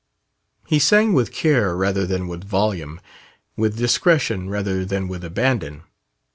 He sang with care rather than with volume, with discretion rather than with abandon.